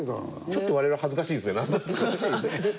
ちょっと我々恥ずかしいですね。